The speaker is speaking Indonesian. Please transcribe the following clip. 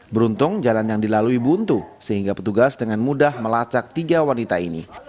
beruntung jalan yang dilalui buntu sehingga petugas dengan mudah melacak tiga wanita ini